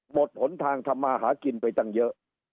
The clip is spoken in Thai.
หมดหนทางทำมาหากินไปตั้งเยอะ